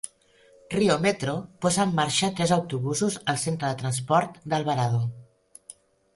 Rio Metro posa en marxa tres autobusos al centre de transport d'Alvarado.